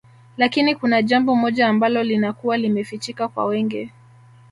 Lakini kuna jambo moja ambalo linakuwa limefichika kwa wengi